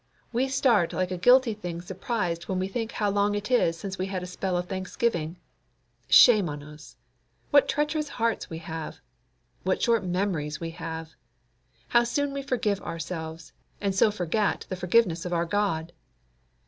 We start like a guilty thing surprised when we think how long it is since we had a spell of thanksgiving. Shame on us! What treacherous hearts we have! What short memories we have! How soon we forgive ourselves, and so forget the forgiveness of our God!